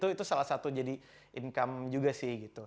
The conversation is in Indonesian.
itu salah satu jadi income juga sih gitu